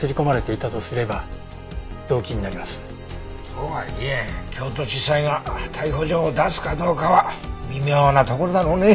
とはいえ京都地裁が逮捕状を出すかどうかは微妙なところだろうね。